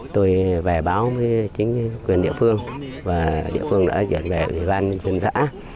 tôi về báo chính quyền địa phương và địa phương đã chuyển về với ban huyện giã